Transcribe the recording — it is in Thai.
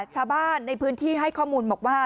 ชาวบ้านในพื้นที่ให้ข้อมูลบอกว่า